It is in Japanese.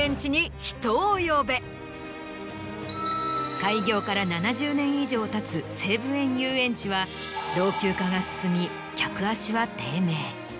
開業から７０年以上たつ西武園ゆうえんちは老朽化が進み客足は低迷。